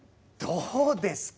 どうですか？